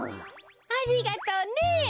ありがとうね。